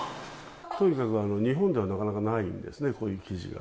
とにかく日本ではなかなかないんですね、こういう生地が。